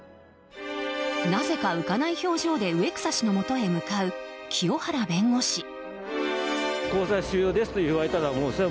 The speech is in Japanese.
なぜか浮かない表情で植草氏のもとへ向かう清原弁護士。